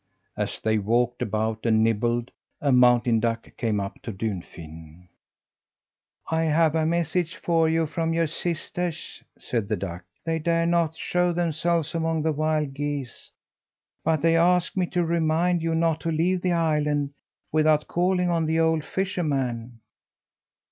As they walked about and nibbled, a mountain duck came up to Dunfin. "I have a message for you from your sisters," said the duck. "They dare not show themselves among the wild geese, but they asked me to remind you not to leave the island without calling on the old fisherman."